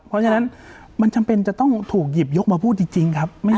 เพราะฉะนั้นมันจำเป็นจะต้องถูกหยิบยกมาพูดจริงครับ